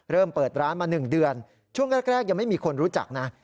เริ่มเปิดร้านมา๑เดือนช่วงแรกยังไม่มีคนรู้จักนะ